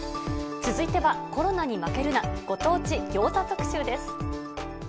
続いてはコロナに負けるな、ご当地餃子特集です。